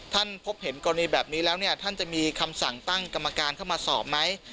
ท่านพบเห็นกรณีแบบนี้แล้วเนี่ยท่านจะมีคำสั่งตั้งกรรมการเข้ามาสอบไหม